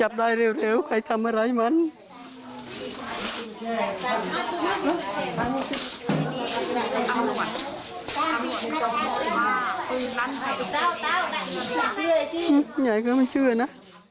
อย่าให้เค้ามันเชื่อนะ